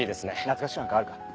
懐かしくなんかあるか。